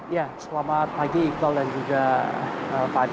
ya selamat pagi iqbal dan juga pak adi